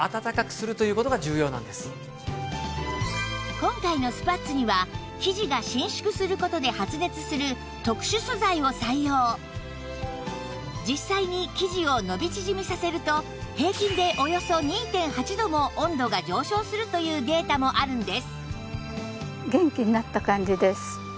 今回のスパッツには生地が実際に生地を伸び縮みさせると平均でおよそ ２．８ 度も温度が上昇するというデータもあるんです